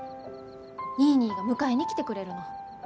ニーニーが迎えに来てくれるの。